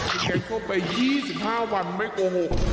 พี่แกงเข้าไป๒๕วันไม่โกหก